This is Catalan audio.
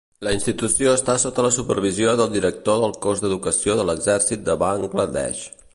La institució està sota la supervisió del director del Cos d'Educació de l'Exèrcit de Bangla Desh.